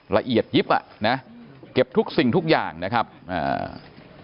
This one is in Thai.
ละเอียดยิบอ่ะนะเก็บทุกสิ่งทุกอย่างนะครับอ่า